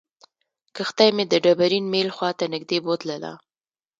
کښتۍ مې د ډبرین میل خواته نږدې بوتلله.